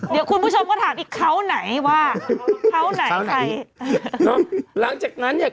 เดี๋ยวคุณผู้ชมก็ถามอีกเขาไหนว่าเขาไหนใครเนอะหลังจากนั้นเนี่ย